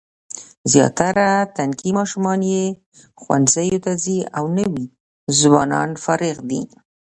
زیاتره تنکي ماشومان یې ښوونځیو ته ځي او نوي ځوانان فارغ دي.